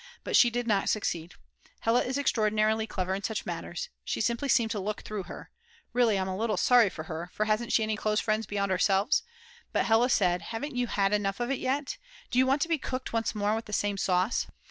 But she did not succeed; Hella is extraordinarily clever in such matters; she simply seemed to look through her Really I'm a little sorry for her, for she hasn't any close friends beyond ourselves; but Hella said: "Haven't you had enough of it yet? Do you want to be cooked once more with the same sauce?"